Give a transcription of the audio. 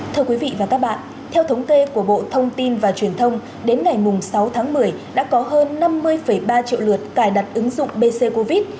thưa quý vị và các bạn theo thống kê của bộ thông tin và truyền thông đến ngày sáu tháng một mươi đã có hơn năm mươi ba triệu lượt cài đặt ứng dụng bc covid